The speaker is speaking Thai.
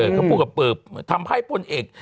เขาพูดกับปืบทำให้ปุ่นเอก